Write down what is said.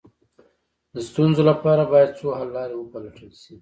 د ستونزو لپاره باید څو حل لارې وپلټل شي.